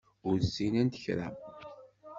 Ur ssinent kra.